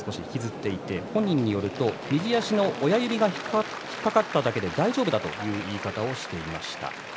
本人によると右足の親指が引っ掛かっただけで大丈夫だという言い方をしていました。